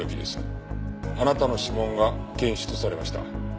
あなたの指紋が検出されました。